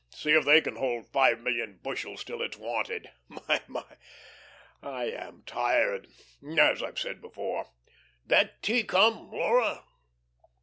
See if they can hold five million bushels till it's wanted. My, my, I am tired as I've said before. D'that tea come, Laura?"